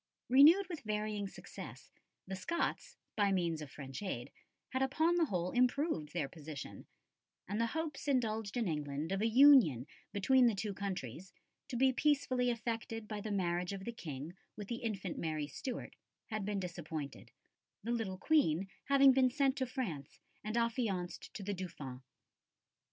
Renewed with varying success, the Scots, by means of French aid, had upon the whole improved their position, and the hopes indulged in England of a union between the two countries, to be peacefully effected by the marriage of the King with the infant Mary Stuart, had been disappointed, the little Queen having been sent to France and affianced to the Dauphin.